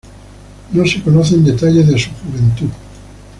No se conocen detalles de su juventud.